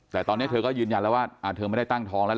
แต่ตอนนี้เธอก็ยืนยันแล้วว่าเธอไม่ได้ตั้งท้องแล้ว